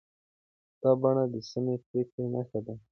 دا بڼې د سمې پرېکړې نښې دي.